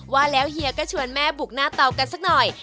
ว่าแล้วเฮียก็ชวนแม่บุกหน้าเตากันสักหน่อย